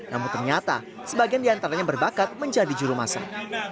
namun ternyata sebagian diantaranya berbakat menjadi juru masak